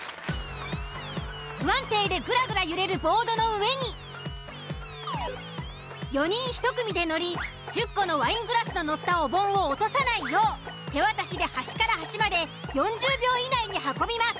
不安定でぐらぐら揺れるボードの上に４人１組で乗り１０個のワイングラスの載ったお盆を落とさないよう手渡しで端から端まで４０秒以内に運びます。